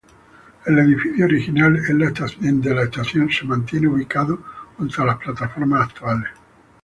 El edificio original de la estación se mantiene, ubicado junto a las plataformas actuales.